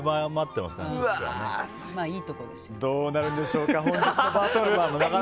どうなるんでしょうか。